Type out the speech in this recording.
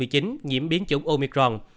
diễn biến chủng omicron